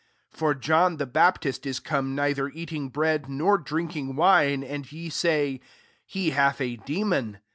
' 33 '* For John the Baptist is come neither eating [bread,] nor drinking [wine;] and ye say, <He hath a demon.'